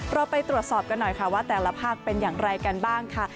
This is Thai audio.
เราไปตรวจสอบกันหน่อยค่ะว่าแต่ละภาคเป็นอย่างไรกันบ้างค่ะ